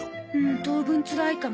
当分つらいかも。